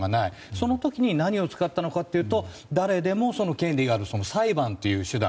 その時に何を使ったかというと誰でも権利がある裁判という手段。